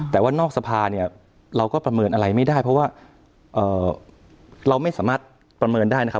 แต่ว่านอกสภาเนี่ยเราก็ประเมินอะไรไม่ได้เพราะว่าเราไม่สามารถประเมินได้นะครับ